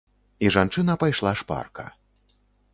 І жанчына пайшла шпарка.